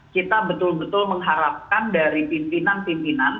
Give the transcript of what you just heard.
kita betul betul mengharapkan dari pimpinan pimpinan